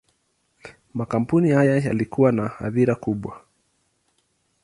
Makampuni haya yalikuwa na athira kubwa.